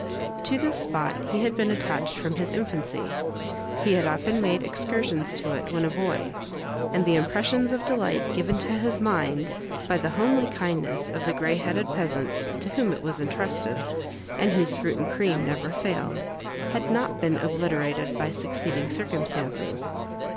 To this spot he had been attached from his infancy. He had often made excursions to it when a boy, and the impressions of delight given to his mind by the homely kindness of the grey headed peasant, to whom it was intrusted, and whose fruit and cream never failed, had not been obliterated by succeeding circumstances.